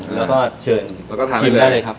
แล้วก็เชิญชิมไปได้เลยครับ